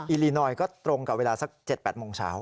อลีนอยก็ตรงกับเวลาสัก๗๘โมงเช้า